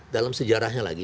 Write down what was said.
dalam sejarahnya lagi